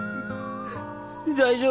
大丈夫。